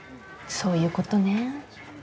そういうことね。